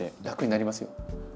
楽になりますよ。